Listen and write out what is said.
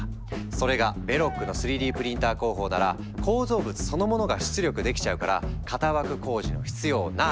それがベロックの３Ｄプリンター工法なら構造物そのものが出力できちゃうから型枠工事の必要なし！